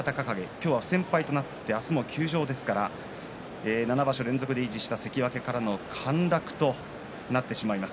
今日は不戦敗となって明日も休場ですから７場所連続で維持した関脇からの陥落となってしまいます。